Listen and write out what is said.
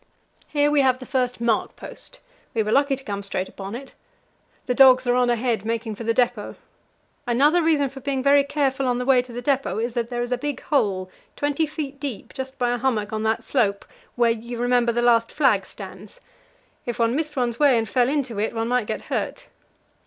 " Here we have the first mark post; we were lucky to come straight upon it. The dogs are on ahead, making for the depot. Another reason for being very careful on the way to the depot is that there is a big hole, 20 feet deep, just by a hummock on that slope where, you remember, the last flag stands. If one missed one's way and fell into it, one might get hurt."